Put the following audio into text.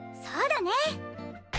そうだね。